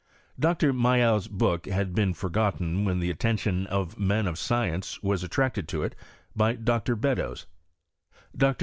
Dr. Mayow's book hud been forgotten when the atten tion of mcu of science was attracted to it by Dr. beddocs. Dr.